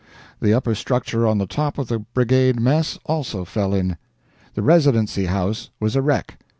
The upper structure on the top of the brigade mess also fell in. The Residency house was a wreck.